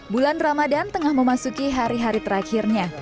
bulan ramadan tengah memasuki hari hari terakhirnya